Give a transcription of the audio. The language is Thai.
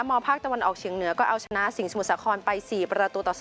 ภาคตะวันออกเฉียงเหนือก็เอาชนะสิงหมุทรสาครไป๔ประตูต่อ๒